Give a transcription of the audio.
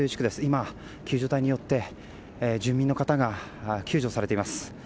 今、救助隊によって住民の方が救助されています。